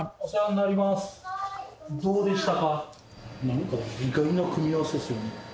なんか意外な組み合わせですよね。